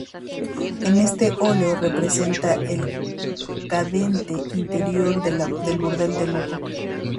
En este óleo representa el decadente interior de un burdel de lujo.